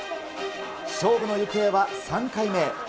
勝負の行方は３回目へ。